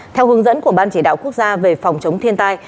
theo hướng dẫn của ban chỉ đạo quốc gia về phòng chống thiên tai